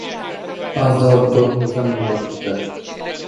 Azi dau doar un examen de maturitate.